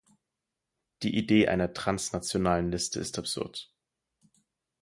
Die Idee einer transnationalen Liste ist absurd.